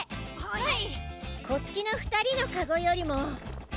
はい。